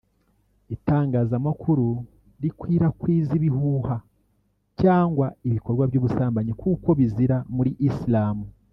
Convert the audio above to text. itangazamakuru rikwirakwiza ibihuha cyangwa ibikorwa by’ubusambanyi kuko bizira muri Islam